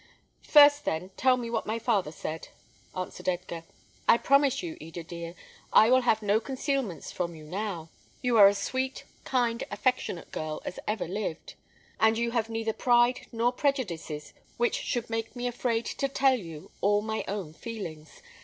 "First, then, tell me what my father said," answered Edgar. "I promise you, Eda, dear, I will have no concealments from you now. You are a sweet, kind, affectionate girl as ever lived, and you have neither pride nor prejudices which should make me afraid to tell you all my own feelings.